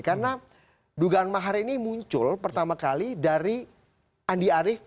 karena dugaan mahar ini muncul pertama kali dari andi arief